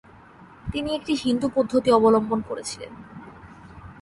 তিনি একটি হিন্দু পদ্ধতি অবলম্বন করেছিলেন।